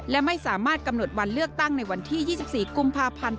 และไม่สามารถกำหนดวันเลือกตั้งในวันที่๒๔กุมภาพันธ์